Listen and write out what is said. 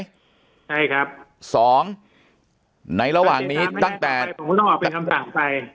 พี่ราบได้ไหมใช่ครับ๒ไหนระหว่างนี้ตั้งแต่ผมก็ต้องออกเป็นคำสั่งไป